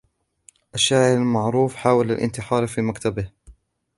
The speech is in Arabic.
الشاعر المعروف حاول الإنتحار في مكتبه.